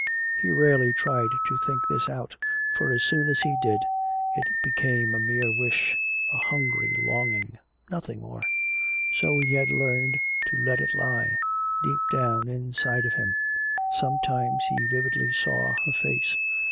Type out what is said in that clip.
He rarely tried to think this out, for as soon as he did it became a mere wish, a hungry longing, nothing more. So he had learned to let it lie, deep down inside of him. Sometimes he vividly saw her face.